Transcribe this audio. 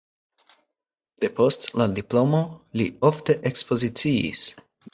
Depost la diplomo li ofte ekspoziciis.